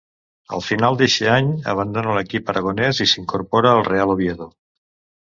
Al final d'eixe any, abandona l'equip aragonés i s'incorpora al Real Oviedo.